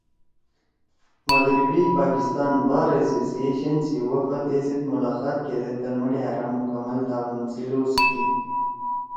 مغربی پاکستان بار ایسوسی ایشن سی وفد ایسیت مُلاقات کیدے تنُو ڈھأرا مکمل تعاون سی لوز کی